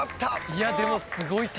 いやでもすごい戦い。